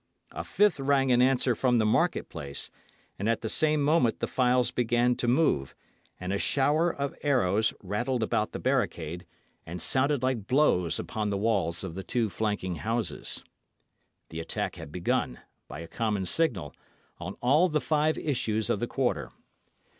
A fifth rang in answer from the market place, and at the same moment the files began to move, and a shower of arrows rattled about the barricade, and sounded like blows upon the walls of the two flanking houses. The attack had begun, by a common signal, on all the five issues of the quarter.